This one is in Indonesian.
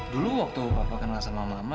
dulu waktu papa kan ga sama mama